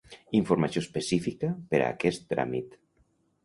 Informació específica per a aquest tràmit.